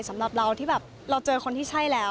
สำหรับเราที่แบบเราเจอคนที่ใช่แล้ว